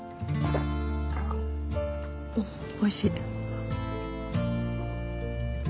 うんおいしい。